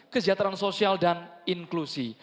kesejahteraan sosial dan inklusi